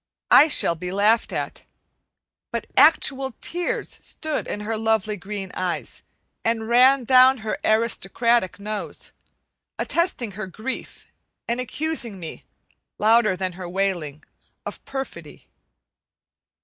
I shall be laughed at, but actual tears stood in her lovely green eyes and ran down her aristocratic nose, attesting her grief and accusing me, louder than her wailing, of perfidy.